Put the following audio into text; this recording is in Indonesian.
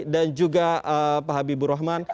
dan juga pak habibur rahman